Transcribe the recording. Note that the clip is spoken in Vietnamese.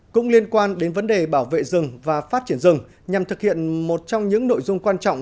cũng liên quan đến vấn đề bảo vệ rừng và phát triển rừng nhằm thực hiện một trong những nội dung quan trọng